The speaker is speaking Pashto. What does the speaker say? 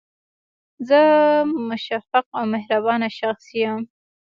زه مشفق او مهربانه شخص یم